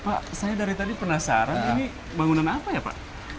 pak saya dari tadi penasaran ini bangunan apa ya pak